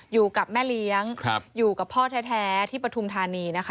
อยู่กับแม่เลี้ยงอยู่กับพ่อแท้ที่ปฐุมธานีนะคะ